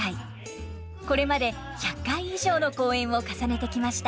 これまで１００回以上の公演を重ねてきました。